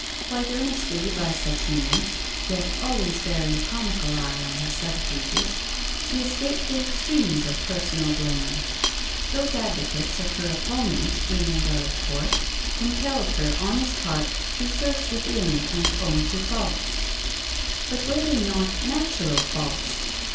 Quite earnestly by such means, yet always bearing a comical eye on her subterfuges, she escaped the extremes of personal blame. Those advocates of her opponent in and out of court compelled her honest heart to search within and own to faults. But were they not natural faults?